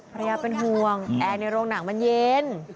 ภรรยาเป็นห่วงแอร์ในโรงหนังมันเย็น